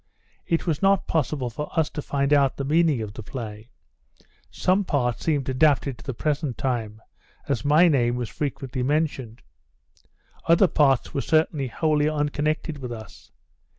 It was not possible for us to find out the meaning of the play. Some part seemed adapted to the present time, as my name was frequently mentioned. Other parts were certainly wholly unconnected with us.